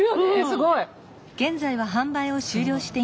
すごい。